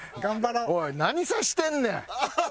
おい何さしてんねん！